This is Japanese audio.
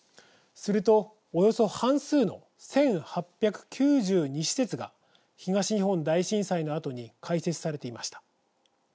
するとおよそ半数の１８９２施設が東日本大震災のあとに開設されていました。